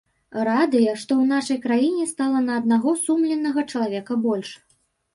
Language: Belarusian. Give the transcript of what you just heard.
Радыя, што ў нашай краіне стала на аднаго сумленнага чалавека больш.